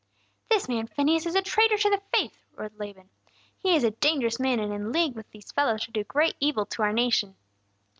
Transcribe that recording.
"This man Phineas is a traitor to the faith!" roared Laban. "He is a dangerous man, and in league with these fellows to do great evil to our nation."